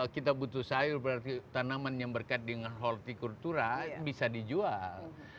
kita butuh sayur berarti tanaman yang berkait dengan hortikultura bisa dijual